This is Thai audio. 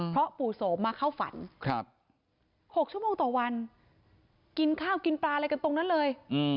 เพราะปู่โสมมาเข้าฝัน๖ชั่วโมงต่อวันกินข้าวกินปลาอะไรกันตรงนั้นเลย